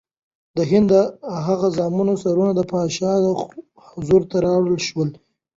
د هغه د زامنو سرونه د پادشاه حضور ته راوړل شول.